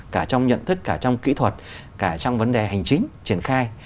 cả trong nhận thức cả trong kỹ thuật cả trong vấn đề hành chính triển khai